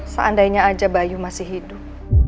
seandainya aja bayu masih hidup